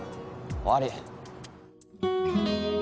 終わり！